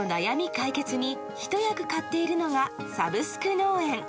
解決にひと役買っているのがサブスク農園。